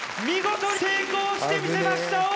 見事成功してみせました